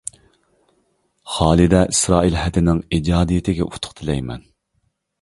خالىدە ئىسرائىل ھەدىنىڭ ئىجادىيىتىگە ئۇتۇق تىلەيمەن!